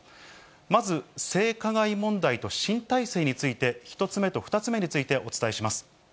まず、性加害問題と新体制について、１つ目と２つ目についてお伝えします。